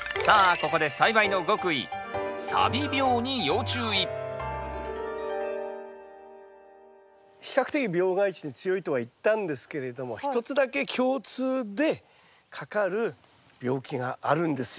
ここで比較的病害虫に強いとは言ったんですけれども一つだけ共通でかかる病気があるんですよ。